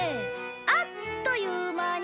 「あっという間に」